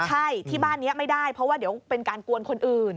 ใช่ที่บ้านนี้ไม่ได้เพราะว่าเดี๋ยวเป็นการกวนคนอื่น